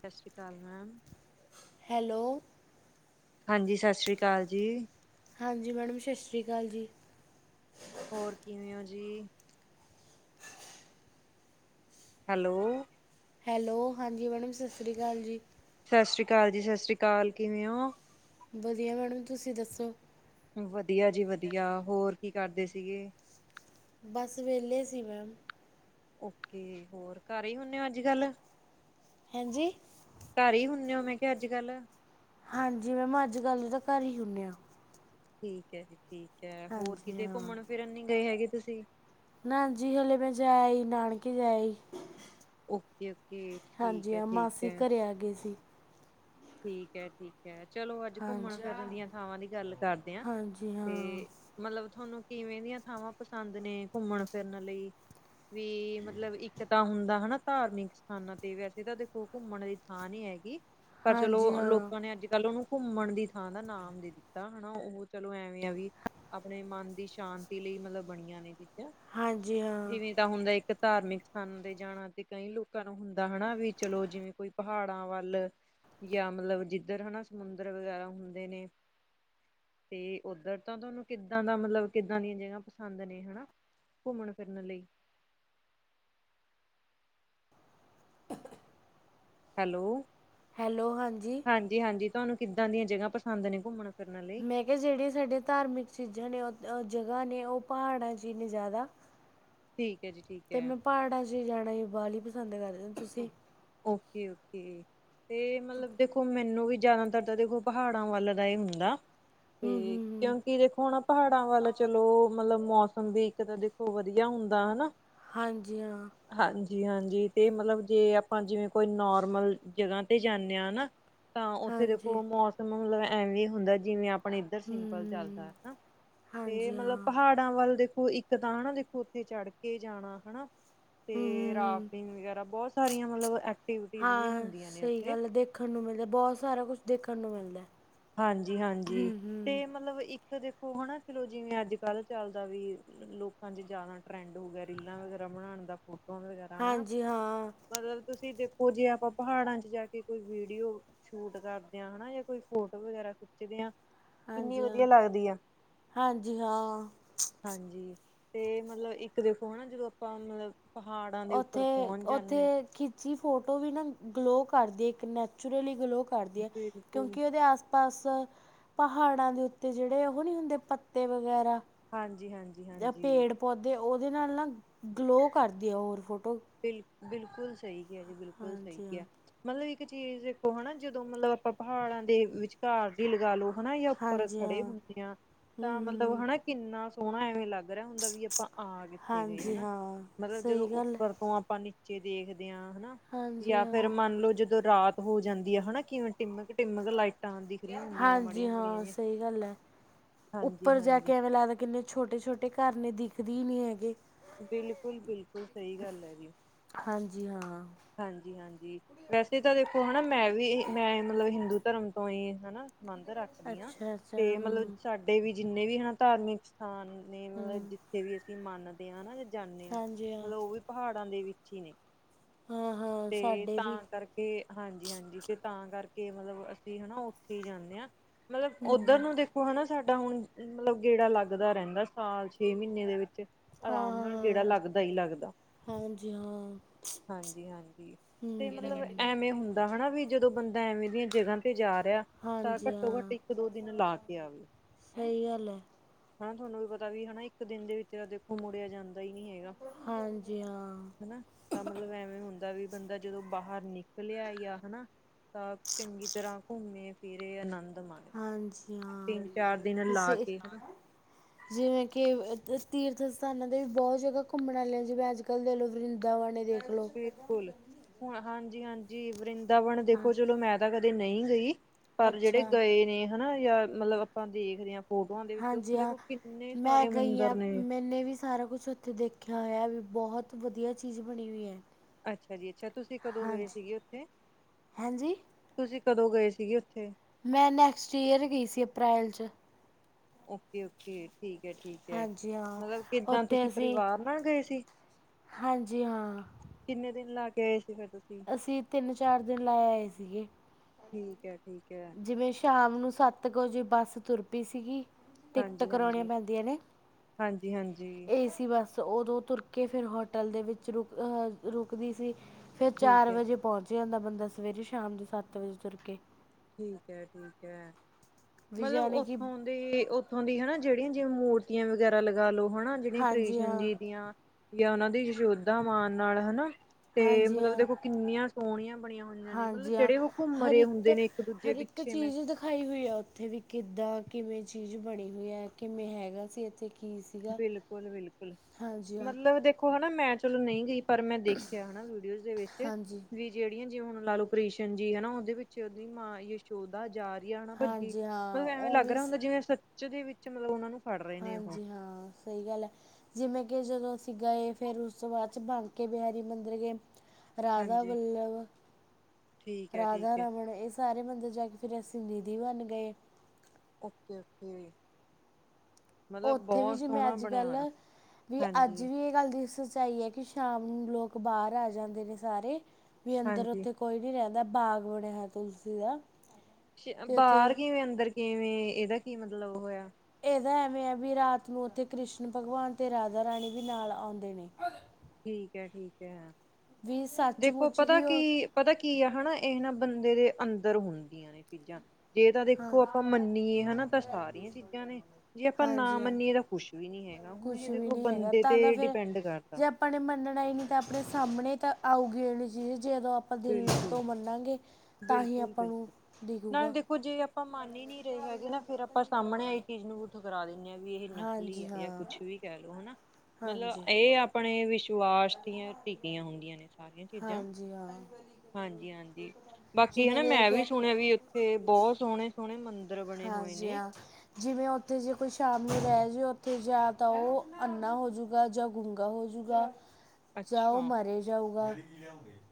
ਸਤਿ ਸ੍ਰੀ ਅਕਾਲ ਮੈਮ। ਹੈਲੋ। ਹਾਂਜੀ ਸਤਿ ਸ੍ਰੀ ਅਕਾਲ ਜੀ। ਹਾਂਜੀ ਮੈਡਮ ਸਤਿ ਸ੍ਰੀ ਅਕਾਲ ਜੀ। ਹੋਰ ਕਿਵੇਂ ਹੋ ਜੀ। ਹੈਲੋ। ਹੈਲੋ ਹਾਂਜੀ ਮੈਡਮ ਸਤਿ ਸ਼੍ਰੀ ਅਕਾਲ ਜੀ। ਸਤਿ ਸ਼੍ਰੀ ਅਕਾਲ ਜੀ ਸਤਿ ਸ਼੍ਰੀ ਅਕਾਲ ਕਿਵੇਂ ਹੋ। ਵਧੀਆ ਮੈਡਮ ਤੁਸੀਂ ਦੱਸੋ। ਵਧੀਆ ਜੀ ਵਧੀਆ ਹੋਰ ਕੀ ਕਰਦੇ ਸੀਗੇ। ਬਸ ਵੇਹਲੇ ਸੀ ਮੈਮ। ਓਕੇ ਹੋਰ ਘਰ ਹੀ ਹੁੰਦੇ ਹੋ ਅੱਜ ਕੱਲ। ਹਾਂਜੀ ਘਰ ਹੀ ਹੁੰਦੇ ਹੋ ਮੈਂ ਕਿਹਾ ਅੱਜ ਕੱਲ। ਹਾਂਜੀ ਮੈਮ ਅੱਜ ਕੱਲ ਤਾਂ ਘਰ ਹੀ ਹੁੰਦੇ ਆ। ਠੀਕ ਹੈ ਜੀ ਠੀਕ ਹੈ ਹੋਰ ਕਿੱਤੇ ਹਾਂ ਘੁੰਮਣ ਫਿਰਨ ਨੀ ਗਏ ਹੈਗੇ ਤੁਸੀਂ। ਨਾ ਜੀ ਹਲੇ ਮੈਂ ਜਾਇਆ ਈ ਨਾਨਕੇ ਜਾਇ ਈ। ਓਕੇ ਓਕੇ ਠੀਕ ਹਾਂਜੀ ਹੈ ਹ ਠੀਕ ਮਾਸੀ ਹੈ। ਘਰੇ ਆ ਗਏ ਸੀ। ਠੀਕ ਹੈ ਠੀਕ ਹੈ। ਚਲੋ ਅੱਜ ਘੁੰਮਣ ਹਾਂਜੀ ਫਿਰਨ ਦੀਆਂ ਥਾਵਾਂ ਦੀ ਗੱਲ ਕਰਦੇ ਹਾਂ ਹਾਂਜੀ ਤੇ ਹਾਂ ਮਤਲਬ ਤੁਹਾਨੂੰ ਚ ਕਿਵੇਂ ਦੀਆਂ ਥਾਵਾਂ ਪਸੰਦ ਨੇ ਘੁੰਮਣ ਫਿਰਨ ਲਈ ਵੀ ਮਤਲਬ ਇੱਕ ਹੁੰਦਾ ਹੈ ਨਾ? ਧਾਰਮਿਕ ਸਥਾਨਾਂ ਤੇ ਵੈਸੇ ਤਾਂ ਦੇਖੋ ਉਹ ਘੁੰਮਣ ਦੀ ਥਾਂ ਨਹੀ ਹੈਗੀ। ਰ ਹਾਂਜੀ ਚਲੋ ਹਾਂ ਲੋਕਾਂ ਨੇ ਅੱਜ ਕੱਲ੍ਹ ਉਹਨੂੰ ਘੁੰਮਣ ਦੀ ਥਾਂ ਦਾ ਨਾਮ ਦੇ ਦਿੱਤਾ, ਹਨਾ ਉਹ ਚਲੋ ਐਵੇਂ ਆ ਵੀ ਆਪਣੇ ਮਨ ਦੀ ਸ਼ਾਂਤੀ ਲਈ ਇਹ ਮਤਲਬ ਬਣੀਆਂ ਨੇ ਇਹ। ਹਾਂਜੀ ਹਾਂ। ਧਾਰਮਿਕ ਸਥਾਨਾਂ ਤੇ ਜਾਣਾ ਤੇ ਕਈ ਲੋਕਾਂ ਨੂੰ ਹੁੰਦਾ ਹੈ ਨਾ ਵੀ ਚਲੋ ਜਿਵੇਂ ਕੋਈ ਪਹਾੜਾਂ ਵੱਲ ਜਾਂ ਮਤਲਬ ਜਿੱਧਰ ਹੈ ਨਾ ਸਮੁੰਦਰ ਵਗੈਰਾ ਹੁੰਦੇ ਨੇ ਤੇ ਓਧਰ ਤਾਂ ਤੁਹਾਨੂੰ ਕਿੱਦਾਂ ਦਾ ਮਤਲਬ ਕਿੱਦਾਂ ਦੀਆਂ ਜਗ੍ਹਾ ਪਸੰਦ ਨੇ ਹੈ ਨਾ? ਘੁੰਮਣ ਫਿਰਨ ਲਈ। [inaudible] ਹੈਲੋ। ਹੈਲੋ ਹਾਂਜੀ। ਹਾਂਜੀ-ਹਾਂਜੀ ਤੁਹਾਨੂੰ ਕਿੱਦਾਂ ਦੀਆਂ ਜਗ੍ਹਾ ਪਸੰਦ ਨੇ ਘੁੰਮਣ ਫਿਰਨ ਲਈ ਮੈਂ ਕਿਹਾ ਜਿਹੜੀਆਂ ਸਾਡੇ ਧਾਰਮਿਕ ਚੀਜ਼ਾਂ ਨੇ ਉਹ ਜਗ੍ਹਾ ਨੇ ਉਹ ਪਹਾੜਾਂ ਚ ਹੀ ਨੇ ਜ਼ਿਆਦਾ। ਠੀਕ। ਹੈ ਜੀ ਠੀਕ ਤੇ ਹੈ। ਮੈਂ ਪਹਾੜਾਂ ਚ ਜਾਣਾ ਹੀ ਬਾਹਲੀ ਪਸੰਦ ਕਰਦੀ ਹਾ। ਤੁਸੀਂ? ਓਕੇ-ਓਕੇ ਤੇ ਮਤਲਬ ਦੇਖੋ ਮੈਨੂੰ ਵੀ ਜਿਆਦਾਤਰ ਤਾਂ ਦੇਖੋ ਪਹਾੜਾਂ ਵੱਲ ਦਾ ਹੀ ਹੁੰਦਾ ਹੂੰ ਤੇ ਹੂੰ ਹੂੰ ਕਿਉਂਕਿ ਦੇਖੋ ਹੁਣ ਪਹਾੜਾਂ ਵੱਲ ਚਲੋ ਮਤਲਬ ਮੌਸਮ ਵੀ ਇੱਕ ਤਾਂ ਦੇਖੋ ਵਦੀਆ ਹੁੰਦਾ ਹੈ ਨਾ? ਹਾਂਜੀ ਹਾਂ। ਜੀ ਹਾਂਜੀ ਤੇ ਮਤਲਬ ਜੇ ਆਪਾਂ ਜਿਵੇਂ ਕੋਈ ਨੋਰਮਲ ਜਗ੍ਹਾ ਤੇ ਜਾਂਨੇ ਆ ਨਾ ਆ ਉੱਥੇ ਹਾਂਜੀ ਦੇਖੋ ਮੌਸਮ ਮਤਲਬ ਐਵੇਂ ਹੁੰਦਾ ਜਿਵੇਂ ਆ ਆਪਣੇ ਇੱਧਰ ਹੂੰ ਸਿੰਪਲ ਚੱਲਦਾ ਹੂੰ ਹਨਾ ਤੇ ਹਾਂਜੀ ਮਤਲਬ ਹਾਂ ਪਹਾੜਾਂ ਵੱਲ ਦੇੋ ਇੱਕ ਤਾਂ ਹੈ ਨਾ? ਦੇਖੋ ਉੱਥੇ ਚੜ੍ਹ ਕੇ ਜਾਣਾ ਹੇ ਨਾ? ਹੂੰ ਹੂੰ ਤੇ, ਹੂੰ ਰਾਫਟਿੰਗ ਵਗੈਰਾ ਬਹੁਤ ਸਾਰੀਆਂ ਮਤਲਬ ਐਕਟੀਵਿਟੀਜ਼ ਵੀ ਹਾਂ। ਹੁੰਦੀਆਂ ਨੇ ਸਹੀ ਉੱਥੇ। ਗੱਲ ਹੈ ਦੇਖਣ ਨੂੰ ਮਿਲਦਾ, ਬਹੁਤ ਸਾਰਾ ਕੁਛ ਦੇਖਣ ਨੂੰ ਮਿਲਦਾ। ਹਾਂਜੀ -ਹਾਂਜੀ, ਤੇ ਮਤਲਬ ਇੱਕ। ਦੇਖੋ ਹੈ ਨਾ? ਚਲੋ ਜਿਵੇਂ ਅੱਜ ਕੱਲ੍ਹ ਚੱਲਦਾ ਵੀ, ਲੋਕਾਂ ਚ ਜਿਆਦਾ ਟਰੈਂਡ ਹੋ ਗਿਆ ਰੀਲਾਂ ਵਗੈਰਾ ਬਣਾਉਣ ਦਾ ਫੋਟੋ ਵਗੈਰਾ ਹੈ ਨਾ? ਹਾਂਜੀ ਹਾਂ ਮਤਲਬ ਤੁਸੀਂ ਦੇਖੋ ਉਹ ਜੇ ਆਪਾਂ ਪਹਾੜਾਂ ਚ ਜਾ ਕੇ ਕੋਈ ਵੀਡੀਓ ਸ਼ੂਟ ਕਰਦੇ ਹਾਂ ਹੈ ਨਾ? ਜਾਂ ਕੋਈ ਫੋਟੋ ਵਗੈਰਾ ਖਿੱਚਦੇ ਆ ਕਿੰਨੀ ਹਾਂਜੀ ਵਧੀਆ ਹਾਂ ਲੱਗਦੀ ਹਾਂਜੀ ਹਾਂ ਹਾਂਜੀ ਤੇ ਮਤਲਬ ਇੱਕ ਦੇਖੋ ਹੈ ਨਾ? ਜਦੋਂ ਆਪਾਂ ਮਤਲਬ ਪਹਾੜਾਂ ਦੇ ਉੱਪਰ ਪਹੁੰਚ ਓਥੇ-ਓਥੇ ਜਾਂਦੇ ਹਾਂ ਖਿੱਚੀ ਫੋਟੋ ਵੀ ਨਾ ਗਲੋਅ ਕਰਦੀ ਇੱਕ ਨੇਚੁਰਲੀ ਗਲੋਅ ਕਰਦੀ ਹੈ ਬਿਲਕੁਲ ਕਿਉਂਕਿ ਓਹਦੇ ਆਸ ਪਾਸ ਪਹਾੜਾਂ ਦੇ ਉੱਤੇ ਜਿਹੜੇ ਉਹ ਨੀ ਹੁੰਦੇ ਪੱਤੇ ਵਗੈਰਾ? ਹਾਂਜੀ-ਹਾਂਜੀ-ਹਾਂਜੀ ਪੇੜ ਪੌਦੇ ਉਹਦੇ ਨਾਲ ਨਾ ਗਲੋਹ ਕਰਦੀ ਆ ਹੋਰ ਫੋਟੋ ਬਿਲ-ਬਿਲਕੁਲ ਸਹੀ ਕਿਹਾ ਜੀ ਬਿਲਕੁਲ ਸਹੀ ਹਾਂਜੀ ਹਾਂ ਕਿਹਾ ਮਤਲਬ ਇੱਕ ਇੱਕ ਚੀਜ਼ ਇੱਕੋ ਹੈ ਨਾ? ਜਦੋਂ ਮਤਲਬ ਆਪਾਂ ਪਹਾੜਾਂ ਦੇ ਵਿਚਕਾਰ ਵੀ ਲਗਾ ਲਓ ਹੈ ਨਾ? ਉੱਪਰ ਹਾਂਜੀ ਖੜੇ ਹਾਂ ਹੁੰਦੇ ਆ ਹੂੰ ਤਾਂ ਮਤਲਬ ਹੂੰ ਹੈ ਨਾ? ਕਿੰਨਾ ਸੋਹਣਾ ਐਵੇਂ ਲੱਗ ਹੁੰਦਾ ਵੀ ਆਪਾਂ ਆ ਕਿੱਥੇ ਗਏ ਹੈ ਹਾਂਜੀ ਨਾ! ਹਾਂ ਮਤਲਬ ਜਦੋਂ ਸਹੀ ਗੱਲ ਹੈ ਤੋਂ ਆਪਾਂ ਨੀਚੇ ਦੇਖਦੇ ਹਾਂ ਹੈ ਨਾ? ਹਾਂਜੀ ਯਾ ਫਿਰ ਹਾਂ ਮੰਨ ਲਓ ਜਦੋਂ ਜਦੋਂ ਰਾਤ ਹੋ ਜਾਂਦੀ ਹੈ। ਹੈ ਨਾ? ਕਿਵੇਂ ਟਿਮਕ-ਟਿਮਕ ਲਾਈਟ ਹਾਂਜੀ ਹਾਂ ਸਹੀ ਗੱਲ ਹੈ ਹਾਂਜੀ ਉੱਪਰ ਜਾ ਕੇ ਹਾਂਜੀ ਐਵੇਂ ਲੱਗਦਾ ਕਿੰਨੇ ਛੋਟੇ-ਛੋਟੇ ਘਰ ਨੇ ਦਿਖਦੇ ਹੀ ਨਹੀ ਹੈਗੇ ਬਿਲਕੁਲ-ਬਿਲਕੁਲ, ਸਈ ਗੱਲ ਏ ਜੀ। ਹਾਂਜੀ ਹਾਂ ਹਾਂਜੀ-ਹਾਂਜੀ, ਵੈਸੇ ਤਾਂ ਦੇਖੋ ਹਨਾ ਮੈਂ ਵੀ ਮੈਂ ਮਤਲਬ ਹਿੰਦੂ ਧਰਮ ਤੋਂ ਆਈ ਹ ਹਨਾ। ਸੰਬੰਧ ਰੱਖਦੀ ਆ, ਅੱਛਾ ਅੱਛਾ ਤੇ ਮਤਲਬ ਹੂੰ ਸਾਡੇ ਵੀ ਜਿੰਨੇ ਵੀ ਹਨਾ ਧਾਰਮਿਕ ਸਥਾਨ ਨੇ ਮਤਲਬ ਹੂੰ ਜਿੱਥੇ ਵੀ ਅਸੀਂ ਮੰਨਦੇ ਆ ਹਨਾ, ਜਾਂਣੇ ਆ, ਹਾਂਜੀ ਹਾਂ ਮਤਲਬ ਔਹ ਵੀ ਪਹਾੜਾਂ ਦੇ ਵਿੱਚ ਜੀ ਨਈ, ਹਾਂ ਹਾਂ ਤੇ ਸਾਡੇ ਵੀ ਤਾਂ ਕਰਕੇ ਹਾਂਜੀ-ਹਾਂਜੀ, ਤੇ ਤਾਂ ਕਰਕੇ ਮਤਲਬ, ਅਸੀਂ ਹਨਾ ਔਥੇ ਹੀ ਜਾਂਣੇ ਆ। ਮਤਲਬ ਹੂੰ ਉੱਧਰ ਹੂੰ ਨੂੰ ਦੇਖੋ ਹਨਾ ਸਾਡਾ ਹੁਣ ਮਤਲਬ ਗੇੜਾ ਲੱਗਦਾ ਰਹਿੰਦਾ, ਸਾਲ ਛੇ ਮਹੀਨੇ ਦੇ ਵਿੱਚ। ਹਾਂ ਅਰਾਮ ਨਾਲ ਗੇੜਾ ਲੱਗਦਾ ਈ ਲੱਗਦਾ। ਹਾਂ ਹਾਂਜੀ ਹਾਂ ਹੂੰ ਹਾਂਜੀ-ਹਾਂਜੀ, ਤੇ ਮਤਲਬ ਹੂੰ ਐਵੇਂ ਹੁੰਦਾ ਹਨਾ ਵੀ, ਜਦੋਂ ਬੰਦਾ ਐਵੇਂ ਦੀਆਂ ਜਗ੍ਹਾ ਤੇ ਜਾ ਦੇਆ, ਤਾਂ ਹਾਂਜੀ ਘੱਟੋ ਘੱਟ ਹਾਂ ਇੱਕ ਦੋ ਦਿਨ ਲਾ ਕੇ ਆਵੇ। ਸਹੀ ਗੱਲ ਹੈ ਹਾਂ ਤੁਹਾਨੂੰ ਵੀ ਪਤਾ ਵੀ ਹਨਾ, ਇੱਕ ਦਿਨ ਦੇ ਵਿੱਚ ਆ ਦੇਖੋ ਮੁੜਿਆ ਜਾਂ ਹਾਂਜੀ ਹਾਂ। ਹਨਾ ਤਾਂ ਮਤਲਬ ਐਵੇਂ ਹੁੰਦਾ ਵੀ ਬੰਦਾ ਜਦੋਂ ਬਾਹਰ ਨਿਕਲਿਆ ਈ ਆ, ਹਨਾ ਤਾਂ ਚੰਗੀ ਤਰ੍ਹਾਂ ਘੁੰਮੇ ਫਿਰੇ ਆਨੰਦ ਮਾਣੇ ਹਾਂਜੀ ਹਾਂ ਤਿੰਨ ਚਾਰ ਦਿਨ ਲਾ ਕੇ ਹਨਾ [unintelligible] ਜਿਵੇਂ ਕਿ ਤੁ ਤੀਰਥ ਸਥਾਨਾਂ ਦੇ ਵੀ ਬਹੋਤ ਜਗ੍ਹਾ ਘੁੰਮਣ ਆਲੀਆਂ, ਜਿਵੇਂ ਅੱਜ ਕੱਲ੍ਹ ਦੇ [unintelligible] ਵਰਿੰਦਾਵਣੇ ਦੇ ਬਿਲਕੁਲ, ਹੁਣ ਹਾਂਜੀ-ਹਾਂਜੀ, ਵਰਿੰਦਾਵਨ ਹਾਂ ਦੇਖੋ, ਚਲੋ ਮੈਂ ਤਾਂ ਕ ਤੇ ਨਈ ਗਈ, ਪਰ ਜੇਹੜੇ ਅੱਛਾ ਗਏ ਨੇ ਹਨਾ, ਯਾ ਮਤਲਬ ਅਪਾਂ ਦੇਖ ਰਹੇ ਹਾਂ ਫੋਟੋਆਂ ਦੇ ਵਿੱਚ ਹਾਂਜੀ ਉੱਥੇ ਹਾਂ, ਦੇਖੋ ਕਿੰਨੇ ਮੈਂ ਸਾਰੇ ਗਈ ਮੰਦਿਰ ਹਾਂ, ਨੇ ਮੈਨੇ ਵੀ ਸਾਰਾ ਕੁਛ ਔਥੇ ਦੇਖਿਆ ਹੋਇਆ ਵੀ ਬਹੋਤ ਵਧੀਆ ਚੀਜ਼ ਬਣੀ ਹੋਈ ਹੈ। ਅੱਛਾ ਜੀ ਅੱਛਾ, ਤੁਸੀਂ ਕਦੋਂ ਗਏ ਹਾਂਜੀ ਸੀਗੇ ਔਥੇ? ਹਾਂਜੀ ਤੁਸੀਂ ਕਦੋਂ ਗਏ ਸੀਗੇ ਔਥੇ? ਮੈਂ ਨੈਕਸਟ ਈਅਰ ਗਈ ਸੀ ਅਪਰੈਲ ਚ। ਓਕੇ-ਓਕੇ, ਠੀਕ ਏ ਠੀਕ ਏ, ਹਾਂਜੀ ਹਾਂ ਮਤਲਬ ਕਿਦਾਂ ਉੱਥੇ ਤੁਸੀਂ ਅਸੀਂ ਪਰਿਵਾਰ ਨਾਲ ਗਏ ਸੀ? ਹਾਂਜੀ, ਹਾਂ। ਕਿੰਨੇ ਦਿਨ ਲਾ ਕੇ ਆਏ ਸੀ ਫਿਰ ਤੁਸੀਂ ਅਸੀਂ ਤਿੰਨ ਚਾਰ ਦਿਨ ਲਾ ਆਏ ਸੀਗੇ। ਠੀਕ ਹੈ ਠੀਕ ਹੈ ਜਿਵੇਂ ਸ਼ਾਮ ਨੂੰ ਸਤ ਕ ਵਜੇ, ਬੱਸ ਤੁਰ ਪਈ ਸੀਗੀ। ਟਿਕਟ ਹਾਂਜੀ ਕਰੋਣੀਆਂ ਹਾਂਜੀ ਪੈਂਦੀਆਂ ਨੇ, ਹਾਂਜੀ ਹਾਂਜੀ ਏ ਸੀ ਬਸ। ਤੇ ਉਦੋਂ ਤੁਰ ਕੇ ਫਿਰ ਹੋਟਲ ਦੇ ਵਿੱਚ ਰੁਕ, ਅਹ ਰੁਕਦੀ ਸੀ। ਫਿਰ ਚਾਰ ਠੀਕ ਹੈ ਵਜੇ ਪਹੁੰਚ ਜਾਂਦਾ ਬੰਦਾ ਸਵੇਰੇ, ਸ਼ਾਮ ਦੇ ਸਤ ਵਜੇ ਤੁਰ ਕੇ। ਠੀਕ ਏ ਠੀਕ ਏ, ਵੀ ਮਤਲਬ ਯਾਨੀ ਕਿ ਔਥੋਂ ਦੀ, ਉਥੋਂ ਦੀ ਹਨਾ ਜੇਹੜੀਆਂ ਜਿਵੇੰ ਮੂਰਤੀਆਂ ਵਗੈਰਾ ਲਗਾ ਲੋ, ਹਨਾ, ਜੇਹੜੀਆਂ ਹਾਂਜੀ ਕ੍ਰਿਸ਼ਨ ਹਾਂ ਜੀ ਦੀਆਂ ਯਾ ਉਹਨਾਂ ਦੀ ਯਸ਼ੋਧਾ ਮਾਨ ਨਾਲ ਹਨਾ, ਤੇ ਹਾਂਜੀ ਮਤਲਬ ਹਾਂ ਦੇਖੋ ਕਿੰਨੀਆਂ ਸੋਹਣੀਆਂ ਬਣੀਆਂ ਹੋਈਆਂ ਨੇ, ਮਤਲਬ ਹਾਂਜੀ ਹਾਂ ਜੇਹੜੇ ਉਹ ਘੁੰਮ ਹਰ ਰਏ ਹੁੰਦੇ ਇੱਕ ਨੇ ਦੂਜੇ ਹਰ ਇੱਕ ਪਿੱਛੇ ਮੈਂ ਚੀਜ਼ ਦਿਖਾਈ ਹੋਈ ਆ ਔਥੇ ਵੀ ਕਿੱਦਾਂ ਕਿਵੇਂ ਚੀਜ਼ ਬਣੀ ਹੋਈ ਆ? ਕਿਵੇਂ ਹੈਗਾ ਸੀ ਇਥੇ? ਬਿਲਕੁਲ-ਬਿਲਕੁਲ, ਹਾਂਜੀ ਹਾਂ ਮਤਲਬ ਦੇਖੋ ਹਨਾ ਮੈਂ ਚਲੋ ਨਈ ਗਈ ਪਰ ਮੈਂ ਦੇਖਿਆ ਹਨਾ ਵੀਡੀਓਜ ਦੇ ਵਿੱਚ ਹਾਂਜੀ ਵੀ ਜੇਹੜੀ ਜਿਵੇੰ ਹੁਣ ਲਾਲੋ ਕ੍ਰਿਸ਼ਨ ਜੀ ਹਨਾ, ਔਦੇ ਵਿੱਚ ਔਦੀ ਮਾਂ ਯਸ਼ੋਦਾ ਜਾ [unintelligible] ਹਾਂਜੀ ਹਾਂ ਮਤਲਬ ਐਵੇਂ ਲੱਗ ਉਵੇਂ ਰੇਹਾ ਸ ਹੁੰਦਾ, ਜਿਵੇਂ ਸੱਚ ਦੇ ਵਿੱਚ ਮਲਬ ਔਹਨਾਂ ਨੂੰ ਫੜ ਰਹੇ ਨੇ ਉਹ ਹਾਂਜੀ ਹਾਂ। ਸਈ ਗੱਲ ਏ, ਜਿਵੇਂ ਕਿ ਜਦੋਂ ਅਸੀਂ ਗਏ, ਫਿਰ ਉਸ ਤੋਂ ਬਾਅਦ, ਚ ਬਣ ਕੇ ਬਿਹਾਰੀ ਮੰਦਿਰ ਗਏ। ਰਾਜਾ ਹਾਂਜੀ ਗੁਲਵ, ਠੀਕ ਹੈ ਠੀਕ ਰਾਧਾ ਹੈ ਰਾਵਣ ਏਹ ਸਾਰੇ ਬੰਦੇ [unintelligible] [unintelligible] ਦੀਦੀ ਬਣ ਗਏ। ਓਕੇ-ਓਕੇ। ਔਥੇ ਵੀ ਜਿਵੇਂ ਅੱਜ ਕੱਲ, ਵੀ ਅੱਜ ਹਾਂਜੀ ਵੀ ਏਹ ਗੱਲ [unintelligible] ਤੇਹ ਏ ਕਿ ਸ਼ਾਮ ਨੂੰ ਲੋਕ ਬਾਹਰ ਆ ਜਾਂਦੇ ਨੇ ਸਾਰੇ। ਵੀ ਅੰਦਰ ਹਾਂਜੀ ਔਥੇ ਕੋਈ ਨੀ ਰਹਿੰਦਾ। ਪਾਵਰਡ ਹੈਂ ਤੁਲਸੀ ਦਾ। ਅਤੇ ਬਾਹਰ ਉੱਥੇ ਕਿਵੇਂ? ਅੰਦਰ ਕਿਵੇਂ? ਏਹਦਾ ਕੀ ਮਤਲਬ ਹੋਇਆ? ਵੀ ਰਾਤ ਨੂੰ ਤੇ ਕ੍ਰਿਸ਼ਨ ਭਗਵਾਨ ਤੇ ਰਾਜਾ ਰਾਣੀ ਵੀ ਨਾਲ ਆਉਂਦੇ ਨੇ। ਠੀਕ ਹ ਠੀਕ ਹ ਵੀ ਦੇਖੋ ਸੱਚਮੁੱਚ ਪਤਾ ਹੀ ਉਹ ਕੀ ਪਤਾ ਕੀ ਆ ਹਨਾ ਇਹਨਾਂ ਬੰਦੇ ਦੇ ਅੰਦਰ ਹੁੰਦੀ ਆ ਚੀਜਾਂ ਇਹ ਤਾਂ ਹਾਂ ਦੇਖੋ ਆਪਾਂ ਮੰਨੀਏ ਹਨਾ ਤਾਂ ਸਾਰੀਆਂ ਚੀਜ਼ਾਂ ਨੇ ਜੇ ਆਪਾਂ ਨਾ ਹਾਂਜੀ ਹਾਂ ਮੰਨੀਏ ਤਾਂ ਕੁਛ ਵੀ ਨਹੀਂ। ਬੰਦੇ ਤੇ ਕੁਛ ਡਿਪੈਂਡ ਕਰਤਾ ਬੰਦੇ ਤੇ ਡਿਪੈਂਡ ਕਰਤਾ। ਹੁਣ ਮੰਨਣਾ ਹੀ ਨਹੀਂ ਤਾਂ ਆਪਣੇ ਸਾਹਮਣੇ ਤਾਂ ਆਉਗੀ ਜਿਹੜੀ ਚੀਜ਼ ਜਦੋਂ ਆਪਾਂ ਦਿਲ ਬਿਲਕੁਲ ਤੋਂ ਮੰਨਾਂਗੇ ਤਾਂ ਹੀ ਬਿਲਕੁਲ ਆਪਾਂ ਨੂੰ ਬਿਲਕੁਲ ਨਾਲੇ ਦਿਖੂਗਾ। ਦੇਖੋ ਜੇ ਆਪਾਂ ਮੰਨ ਨਹੀਂ ਰਹੇ ਹੈਗੇ ਨਾ ਫਿਰ ਆਪਾਂ ਸਾਹਮਣੇ ਆਈ ਚੀਜ਼ ਨੂੰ ਵੀ ਠੁਕਰਾ ਦੇਣੇ। ਵੀ ਇਹ ਨਕਲੀ ਹਾਂਜੀ ਹ ਜਾਂ ਹਾਂ ਕੁਛ ਵੀ ਕਹਿ ਲਓ ਹਨਾ ਮਤਲਬ ਹਾਂਜੀ ਇਹ ਆਪਣੇ ਵਿਸ ਟਿਕੀਆਂ ਹੁੰਦੀਆਂ ਨੇ ਖਾ ਕੇ ਹਾਂਜੀ ਹਾਂ। ਹਾਂਜੀ- ਹਾਂਜੀ ਬਾਕੀ ਜਿਵੇਂ ਹਨਾ ਕਿ ਮੈਂ ਵੀ ਕਿ ਸੁਣਿਆ ਵੀ ਉਥੇ ਬਹੁਤ ਸੋਹਣੇ- ਸੋਹਣੇ ਮੰਦਿ ਹਾਂਜੀ ਹਾਂ ਜਿਵੇਂ ਉਥੇ ਜੇ ਕੁਛ [unintelligible] ਅੰਨਾ ਹੋ ਜੂਗਾ ਜਾਂ ਗੁੰਗਾ ਹੋ ਜੂਗਾ ਜਾਂ ਓਹ ਅੱਛਾ ਮਰ ਜਾਊਗਾ।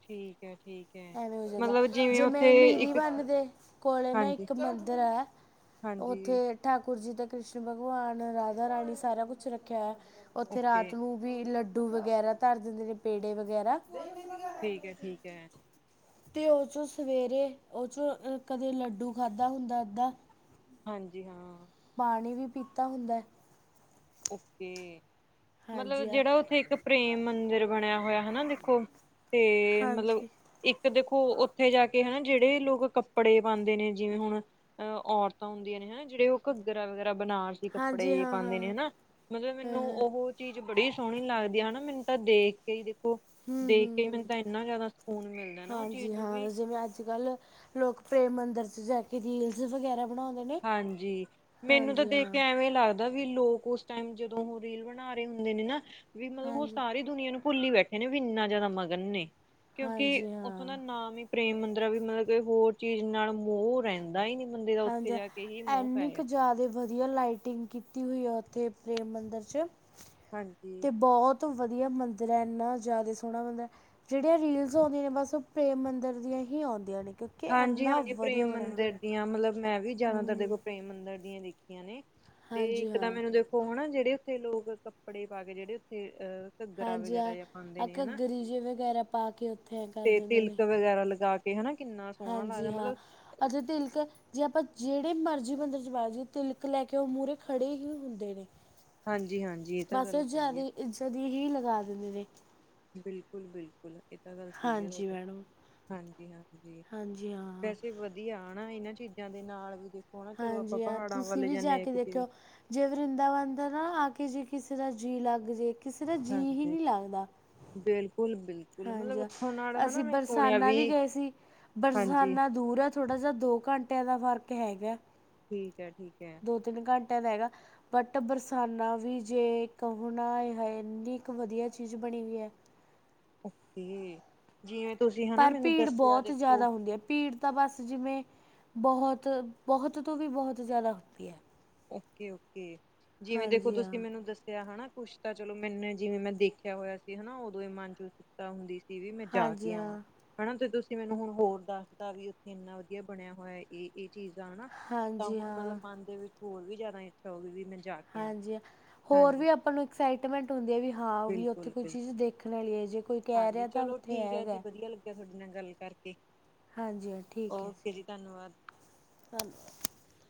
ਠੀਕ ਹੈ ਠੀਕ ਹੈ ਮਤਲਬ [unintelligible] ਜ ਜਿਵੇਂ ਮੈਂ ਉੱਥੇ ਨੀਵੀ ਇੱਕ ਬੰਨ ਦੇ ਕੋਲੇ ਨਾ ਹਾਂਜੀ ਇੱਕ ਮੰਦਰ ਐ। ਹਾਂਜੀ ਉੱਥੇ ਠਾਕੁਰ ਜੀ ਦਾ ਕ੍ਰਿਸ਼ਨ ਭਗਵਾਨ ਰਾਜਾ ਰਾਣੀ ਸਾਰਾ ਕੁਝ ਰੱਖਿਆ ਉੱਥੇ ਓਕੇ ਰਾਤ ਨੂੰ ਵੀ ਲੱਡੂ ਡੂ ਵਗੈਰਾ ਧਰ ਦਿੰਦੇ ਨੇ ਪੇੜੇ ਵਗੈਰਾ ਠੀਕ ਹੈ- ਠੀਕ ਹੈ। ਤੇ ਉਸ ਸਵੇਰੇ ਉਸ ਕਦੇ ਲੱਡੂ ਖਾਦਾ ਹੁੰਦਾ ਉਦਾਂ ਹਾਂਜੀ ਹਾਂ। ਪਾਣੀ ਵੀ ਪੀਤਾ ਹੁੰਦਾ ਐ। ਓਕੇ ਮਤਲਬ ਹਾਂਜੀ ਹਾਂ ਜਿਹੜਾ ਉੱਥੇ ਇੱਕ ਪ੍ਰੇਮ ਮੰਦਿਰ ਬਣਿਆ ਹੋਇਆ ਹਨਾ ਦੇਖੋ ਤੇ ਮਤਲਬ ਹਾਂਜੀ ਇੱਕ ਦੇ ਉਹ ਉੱਥੇ ਜਾ ਕੇ ਹਨਾ ਜਿਹੜੇ ਲੋਕ ਕੱਪੜੇ ਪਾਦੇ ਨੇ ਜਿਵੇਂ ਹੁਣ ਅ ਔਰਤਾਂ ਹੁੰਦੀਆਂ ਨੇ ਹਨਾ। ਜਿਹੜੇ ਉਹ ਘੱਗਰਾ ਵਗੈਰਾ ਬਣਾਰ ਸੀ ਹਾਂਜੀ ਕੱਪੜੇ ਹਾਂ ਹਾਂ ਪਾਦੇ ਨੇ ਹਨਾ ਮਤਲਬ ਹਾਂ ਹਾਂ ਮੈਨੂੰ ਹਾਂ ਉਹ ਚੀਜ਼ ਬੜੀ ਸੋਹਣੀ ਲੱਗਦੀ ਆ ਹਨਾ ਮੈਨੂੰ ਤਾਂ ਦੇਖ ਕੇ ਈ ਦੇਖ ਕੋ ਹੂੰ ਦੇਖ ਕੇ ਮੈਨੂੰ ਹੂੰ ਤਾਂ ਇੰਨਾ ਜ਼ਿਆਦਾ ਸਕੂਨ ਮਿਲਦਾ ਨਾ ਉਹ ਚੀਜ਼ ਹਾਂਜੀ ਨੂੰ ਵੀ ਫੇਰ ਮੰੰਦਰ 'ਚ ਜਾ ਕੇ ਰੀਲਸ ਵਗੈਰਾ ਬਣਾਉਂਦੇ ਨੇ ਹਾਂਜੀ ਮੈਨੂੰ ਤਾਂ ਹਾਂਜੀ ਹਾਂ ਦੇਖਕੇ ਐਵੇਂ ਲੱਗਦਾ। ਦਾ ਵੀ ਲੋਕ ਉਸ ਟਾਈਮ ਜਦੋਂ ਉਹ ਰੀਲ ਬਣਾ ਰੇ ਹੁੰਦੇ ਨੇ ਨਾ ਵੀ ਮਤਲਬ ਉਹ ਹਾਂਜੀ ਸਾਰੀ ਦੁਨੀਆਂ ਨੂੰ ਭੁੱਲੀ ਬੈਠੇ ਨੇ ਵੀ ਇੰਨਾ ਜਿਆਦਾ ਮਗਨ ਨੇ ਕਿਉਂਕਿ ਹਾਂਜੀ ਉੱਥੋਂ ਹਾਂ ਦਾ ਨਾਮ ਈ ਪ੍ਰੇਮ ਮੰ ਦਰਿ ਵੀ ਮਤਲਬ ਕਿ ਹੋਰ ਚੀਜ਼ ਨਾਲ ਮੋਹ ਰੇਂਦਾ ਈ ਨੀ ਬੰਦੇ ਦਾ ਉੱਥੇ ਹਾਂਜੀ ਜਾ ਕੇ ਹੀ ਮੋਹ ਪੈ ਇਨੀ ਕ ਜਾਂਦਾ ਜ਼ਿਆਦਾ ਵ ਵਧੀਆ ਲਾਈਟਿੰਗ ਕੀਤੀ ਹੋਈ ਆ ਉੱਥੇ ਪ੍ਰੇਮ ਮੰਦਿਰ 'ਚ ਹਾਂਜੀ ਤੇ ਬਹੁਤ ਵਧੀਆ ਮੰਦਿਰ ਐ ਇੰਨਾ ਜ਼ਿਆਦਾ ਸੋਹਣਾ ਮੰਦਅ ਜਿਹੜੀਆਂ ਰੀਲਸ ਆਉਂਦੀਆਂ ਨੇ ਬਸ ਉਹ ਪ੍ਰੇਮ ਮੰਦਿਰ ਦੀਆਂ ਹੀ ਆਉਂਦੀਆਂ ਨੇ ਕਿਉਂਕਿ ਇੰਨਾ ਹਾਂਜੀ-ਹਾਂਜੀ ਵਧੀਆ ਪ੍ਰੇਮ ਬਣਿਆ ਹੈ। ਮੰਦਿਰ ਦੀਆਂ ਮਤਲਬ ਮੈਂ ਵੀ ਜਿਆਦਾਤਰ ਹੂੰ ਦੇਖੋ ਪ੍ਰੇਮ ਮੰਦਰ ਦੀਆਂ ਦੇਖੀਆਂ ਨੇ ਤੇ ਹਾਂਜੀ ਇੱਕ ਤਾਂ ਹਾਂ ਮੈਨੂੰ ਦੇਖੋ ਹਨਾ ਜ ਜਿਹੜੇ ਉੱਥੇ ਲੋਕ ਕੱਪੜੇ ਪਾ ਕੇ ਜਿਹੜੇ ਉੱਥੇ ਅਹ ਘੱਗਰਾ ਹਾਂਜੀ ਵਗੈਰਾ ਹਾਂ ਜਾਂ ਪਾਂਦੇ ਆਹ ਨੇ ਹਨਾ, ਘੱਗਰੀ ਜਿਹੇ ਵਗੈਰਾ ਪਾ ਕੇ ਉੱਥੇ ਐਂ ਕਰ ਤੇ ਦਿੰਦੇ ਨੇ ਤਿਲਕ ਵਗੈਰਾ ਲਗਾ ਕੇ ਤੇ ਹਨਾ ਕਿੰਨਾ ਸੋਹਣਾ ਹਾਂਜੀ ਲੱਗਦਾ ਹਾਂ ਮਤਲਬ ਅਜੇ ਤਿਲਕ ਜੇ ਆਪਾਂ ਜਿਹੜੇ ਮਰਜ਼ੀ ਮੰਦਰ 'ਚ ਵਾਗਜੀਏ ਤਿਲਕ ਲੈ ਕੇ ਉਹ ਮੂਹਰੇ ਖੜੇ ਈ ਹੁੰਦੇ ਨੇ। ਹਾਂਜੀ ਹਾਂਜੀ ਇਹ ਤਾਂ ਬਸ ਉਹ ਗੱਲ ਸਹੀ ਹੈ ਜ਼ਿਆਦੇ ਇਜ [unintelligible] ਦੀ ਹੀ ਲਗਾ ਦਿੰਦੇ ਨੇ। ਬਿਲਕੁਲ-ਬਿਲਕੁਲ ਇਹ ਤਾਂ ਗੱਲ ਸਹੀ ਐ ਹਾਂਜੀ ਤੁਹਾਡੀੇ ਮੈਡਮ ਹਾਂਜੀ-ਹਾਂਜੀ। ਹਾਂਜੀ ਹਾਂ। ਵੈਸੇ ਵਧੀਆ ਹਨਾ ਇਹਨਾਂ ਚੀਜ਼ਾਂ ਦੇ ਨਾਲ ਵੀ ਦ ਹਾਂਜੀ ਹਾਂ ਤੁਸੀਂ ਵੀ ਜਾ ਕੇ ਵੀ ਦੇਖਿਓ ਜੇ ਵਰਿੰਦਾਵਨ ਦਾ ਨਾ ਆ ਕੇ ਜੀ ਕਿਸੇ ਦਾ ਜੀਅ ਲੱਗ ਜੇ ਕਿਸੇ ਦਾ ਜੀਅ ਹੀ ਹਾਂਜੀ ਨੀ ਲੱਗਦਾ। ਬਿਲਕੁਲ ਬਿਲਕੁਲ ਮਤਲਬ ਹਾਂਜੀ ਉੱਥੋਂ ਨਾਲ ਅਸੀਂ ਹਨਾ ਮੈਂ ਸੁਣਿਆ ਬਰਸਾਨਾ ਵੀ ਗਏ ਸੀ ਹਾਂਜੀ ਬਰਸਾਨਾ ਦੂਰ ਆ ਥੋੜਾ ਜਿਹਾ ਦੋ ਘੰਟੇ ਘੰਟਿਆਂ ਦਾ ਫ਼ਰਕ ਹੈਗਾ, ਠੀਕ ਹੈ ਠੀਕ ਹੈ ਦੋ ਤਿੰਨ ਘੰਟਿਆਂ ਦਾ ਹੈਗਾ ਬਟ ਬਰਸਾਨਾ ਵੀ ਜੇ ਕਹੋ ਣਾ ਆਏ ਹਾਏ ਇੰਨੀ ਕ ਵਧੀਆ ਚੀਜ਼ ਬਣੀ ਹੋਈ ਹੈ। [inaudible] ਅਸੀਂ ਜਿਵੇਂ ਤੁਸੀਂ ਹਨਾ ਪਰ ਮੈਨੂੰ ਭੀੜ ਦੱਸਿਆ ਬਹੁਤ ਦੇਖੋ ਜ਼ਿਆਦਾ ਹੁੰਦੀ ਐ ਭੀੜ ਤਾਂ ਬਸ ਜਿਵੇਂ ਬਹੁਤ-ਬਹੁਤ ਤੋਂ ਵੀ ਬਹੁਤ ਜਿਆਦਾ ਹੁਦੀ ਐ। ਓਕੇ-ਓਕੇ ਜਿਵੇਂ ਦੇਖੋ ਤੁਸੀਂ ਹਾਂ ਮੈਨੂੰ ਦੱਸਿਆ ਹਨਾ ਕੁਛ ਤਾਂ ਚਲੋ ਮੈਨੇ ਜਿਵੇਂ ਮੈਂ ਦੇਖਿਆ ਹੋਇਆ ਸੀ ਹਨਾ ਉਦੋਂ ਇਹ ਮਨ ਚ ਉਤਸਕਤਾ ਹੁੰਦੀ ਸੀ ਵੀ ਮੈਂ ਜਾ ਹਾਂਜੀ ਕੇ ਆਵਾਂ ਹਾਂ ਹਨਾ ਤੇ ਤੁਸ ਤੇ ਮੈਨੂੰ ਹੁਣ ਹੋਰ ਦੱਸਤਾ ਵੀ ਉੱਥੇ ਇੰਨਾ ਵਧੀਆ ਬਣਿਆ ਹੋਇਆ ਹੈ ਇਹ-ਇਹ। ਚੀਜ਼ਾਂ ਹਨਾ ਤਾਂ ਹਾਂਜੀ ਹੁਣ ਹਾਂ ਮਤਲਬ ਮਨ ਦੇ ਵਿੱਚ ਹੋਰ ਵੀ ਜ਼ਿਆਦਾ ਇੱਛਾ ਹੋਗੀ ਵੀ ਮੈਨੇ ਹਾਂਜੀ ਹੋਰ ਵੀ ਆਪਾਂ ਨੂੰ ਐਕਸਾਈਟਮੈਂਟ ਹੁੰਦੀ ਆ ਵੀ ਹਾਂ ਉਹੀ ਉੱਥੇ ਬਿਲਕੁਲ ਕੋਈ ਬਿਲਕੁਲ ਚੀਜ਼ ਦੇਖਣ ਲਈ ਹੈ ਜੇ ਕੋਈ ਕਹਿ ਹਾਂਜੀ ਰਿਹਾ ਤਾਂ ਚਲੋ ਉੱਥੇ ਠੀਕ ਹੈ ਜੀ ਹੈਗਾ ਅ। ਵਧੀਆ ਲੱਗਿਆ ਤੁਹਾਡੇ ਨਾਲ ਗੱਲ ਕਰਕੇ, ਓਕੇ ਜੀ ਧੰਨਵਾਦ। ਹੈਲੋਂ